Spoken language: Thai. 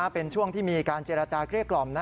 เป็นช่วงที่มีการเจรจาเกลี้ยกล่อม